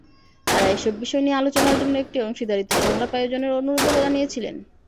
তাঁরা এসব বিষয় নিয়ে আলোচনার জন্য একটি অংশীদারত্ব সংলাপ আয়োজনের অনুরোধও জানিয়েছিলেন।